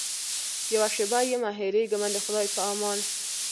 یوه شېبه یمه هېرېږمه د خدای په امان.